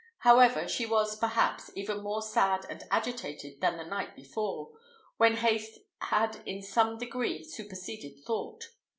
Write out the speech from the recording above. However, she was, perhaps, even more sad and agitated than the night before, when haste had in some degree superseded thought.